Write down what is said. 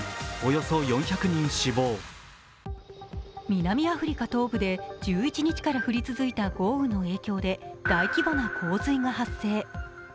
南アフリカ東部で１１日から降り続いた豪雨の影響で大規模な洪水が発生。